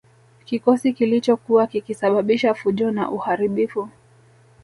Kikosi kilichokuwa kikisababisha fujo na uharibifu